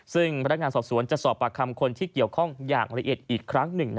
ซึ่งพนักงานสอบสวนจะสอบปากคำคนที่เกี่ยวข้องอย่างละเอียดอีกครั้งหนึ่ง